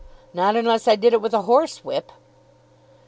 "Not unless I did it with a horsewhip."